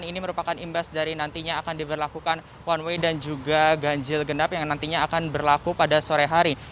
ini merupakan imbas dari nantinya akan diberlakukan one way dan juga ganjil genap yang nantinya akan berlaku pada sore hari